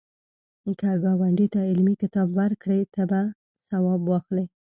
که ګاونډي ته علمي کتاب ورکړې، ته به ثواب واخلی